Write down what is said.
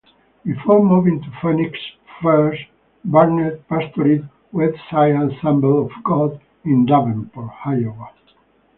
Before moving to Phoenix First, Barnett pastored Westside Assembly of God in Davenport, Iowa.